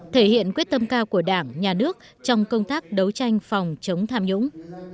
thể hiện quyết tâm cao của đảng nhà nước trong công tác đấu tranh phòng chống tham nhũng